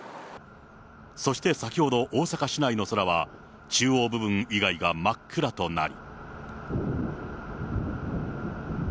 そして先ほど、大阪市内の空は、中央部分以外が真っ暗となり。